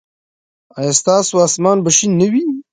ایا ستاسو اسمان به شین نه وي؟